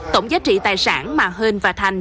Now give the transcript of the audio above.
tổng giá trị tài sản mà hên và thành